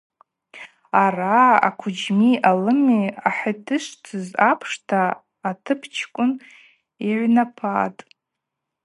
Араъа аквыджьми алыми ахы йтышвтыз апшта атыпчкӏвын йыгӏвнапатӏ.